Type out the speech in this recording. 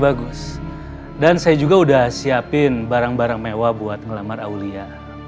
bagus dan saya juga udah siapin barang barang mewah buat ngelamar aulia